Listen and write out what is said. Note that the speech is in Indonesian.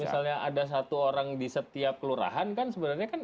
misalnya ada satu orang di setiap kelurahan kan sebenarnya kan